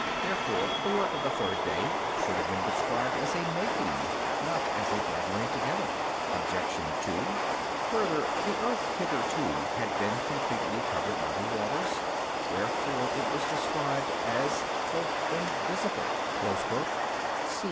Therefore the work of the third day should have been described as a making not as a gathering together. Obj. 2: Further, the earth hitherto had been completely covered by the waters, wherefore it was described as "invisible" [* See Q.